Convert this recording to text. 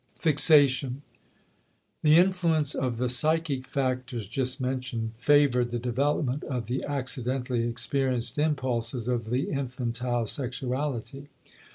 *Fixation.* The influence of the psychic factors just mentioned favored the development of the accidentally experienced impulses of the infantile sexuality.